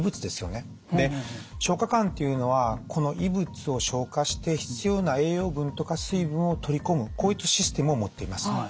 で消化管っていうのはこの異物を消化して必要な栄養分とか水分を取り込むこういったシステムを持っています。